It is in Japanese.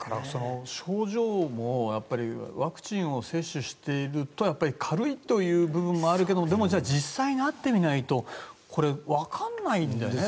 症状もワクチンを接種しているとやっぱり軽いという部分もあるけれどもでも、実際になってみないと分からないんだよね。